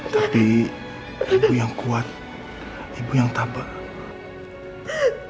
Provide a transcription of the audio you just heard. tapi ibu yang kuat ibu yang tabak